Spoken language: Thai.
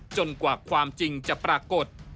กว่าความจริงจะปรากฏ